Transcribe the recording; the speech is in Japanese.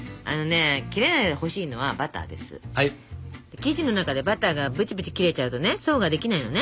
生地の中でバターがブチブチ切れちゃうとね層ができないのね。